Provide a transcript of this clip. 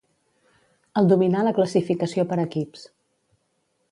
El dominà la classificació per equips.